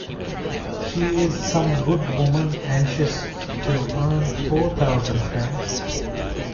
She is some good woman anxious to earn four thousand francs.